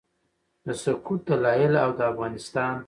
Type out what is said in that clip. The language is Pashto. د سقوط دلایل او د افغانستان